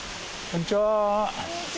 こんにちは！